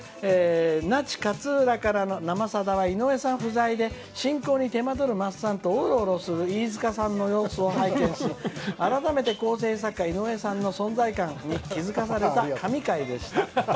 那智勝浦からの「生さだ」は井上さんが不在で進行に手間取るまっさんとおろおろする飯塚さんの様子を拝見し改めて構成作家・井上さんの存在感に気付かされた神回でした。